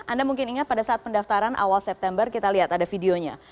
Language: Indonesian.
anda mungkin ingat pada saat pendaftaran awal september kita lihat ada videonya